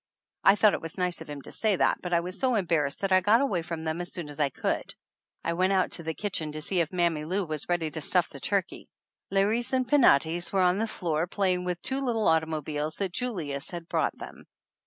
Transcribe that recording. I thought it was nice of him to say that, but I was so embarrassed that I got away from them as soon as I could. I went out to the kitchen to see if Mammy Lou was ready to stuff the turkey. Lares and Penates were on the floor playing with two little automobiles that Julius had brought them.